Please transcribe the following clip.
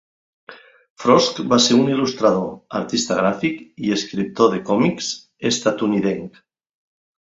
Frost, va ser un il·lustrador, artista gràfic i escriptor de còmics estatunidenc.